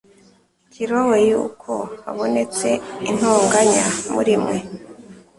Kilowe yuko habonetse intonganya muri mwe